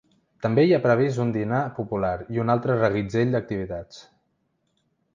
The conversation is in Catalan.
També hi ha previst un dinar popular i un altre reguitzell d’activitats.